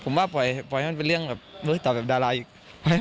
ผมว่าปล่อยให้มันเป็นเรื่องแบบต่อกับดาราอีก